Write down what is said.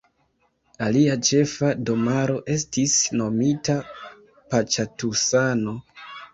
Ilia ĉefa domaro estis nomita Paĉatusano.